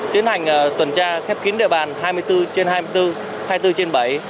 tiến hành tuần tra khép kín địa bàn hai mươi bốn trên hai mươi bốn hai mươi bốn trên bảy